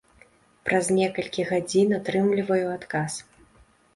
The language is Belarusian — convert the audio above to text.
Праз некалькі гадзін атрымліваю адказ.